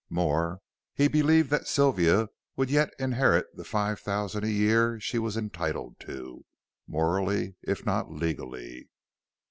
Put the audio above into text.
More, he believed that Sylvia would yet inherit the five thousand a year she was entitled to, morally, if not legally.